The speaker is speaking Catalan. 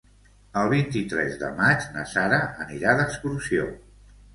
El vint-i-tres de maig na Sara anirà d'excursió.